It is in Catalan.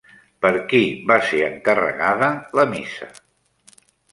Per qui va ser encarregada la missa?